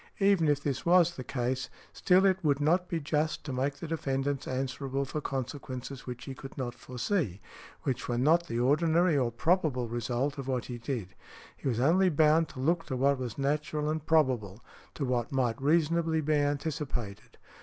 Even if this was the case, still it would not be just to make the defendant answerable for consequences which he could not foresee, which were not the ordinary or probable result of what he did. He was only bound to look to what was natural and probable, to what might reasonably be anticipated.